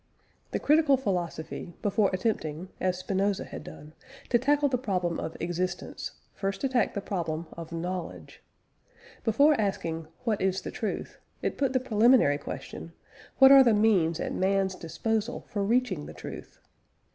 The critical philosophy, before attempting (as Spinoza had done) to tackle the problem of existence, first attacked the problem of knowledge. Before asking What is the truth? it put the preliminary question, _What are the means at man's disposal for reaching the truth?